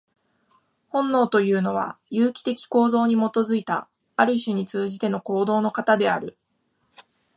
本能というのは、有機的構造に基いた、ある種に通じての行動の型である。